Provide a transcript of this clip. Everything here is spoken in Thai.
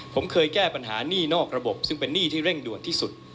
ผมเคยแก้ปัญหาหนี้นอกระบบซึ่งเป็นหนี้ที่เร่งด่วนที่สุด